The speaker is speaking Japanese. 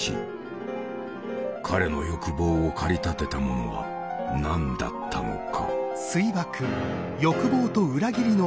彼の欲望を駆り立てたものは何だったのか。